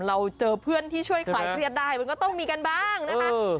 เราเจอเพื่อนที่ช่วยคลายเครียดได้มันก็ต้องมีกันบ้างนะคะ